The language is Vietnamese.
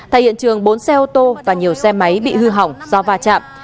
tại hiện trường bốn xe ô tô và nhiều xe máy bị hư hỏng do va chạm